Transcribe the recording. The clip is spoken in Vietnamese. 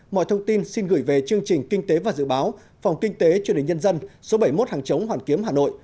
mọi thông tin xin gửi về chương trình kinh tế và dự báo phòng kinh tế truyền hình nhân dân số bảy mươi một hàng chống hoàn kiếm hà nội